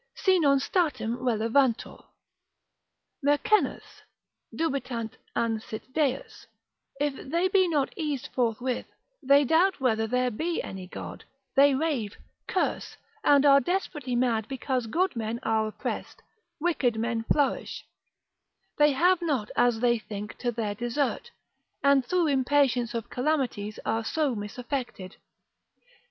Si non statim relevantur, Mercennus, dubitant an sit Deus, if they be not eased forthwith, they doubt whether there be any God, they rave, curse, and are desperately mad because good men are oppressed, wicked men flourish, they have not as they think to their desert, and through impatience of calamities are so misaffected.